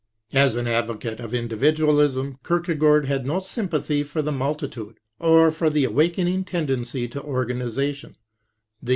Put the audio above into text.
As an advocate of individualism Kierkegaard had no sym pathy for the multitude, or for the awakening tendency to organization.